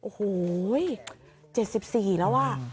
โอ้โหเจ็ดสิบสี่แล้วอ่ะ